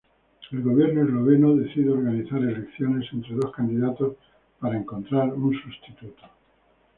El gobierno esloveno decide organizar elecciones entre dos candidatos para encontrar un sustituto.